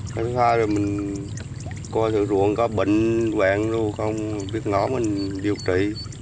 thứ hai là mình coi thử ruộng có bệnh quẹn luôn không biết ngó mình điều trị